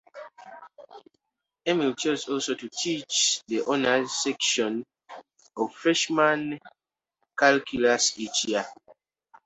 Emil chose also to teach the honors section of Freshman calculus each year.